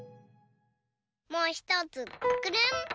もうひとつくるん。